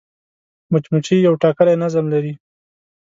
مچمچۍ یو ټاکلی نظم لري